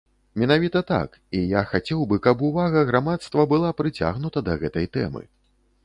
Менавіта так, і я хацеў бы, каб увага грамадства была прыцягнута да гэтай тэмы.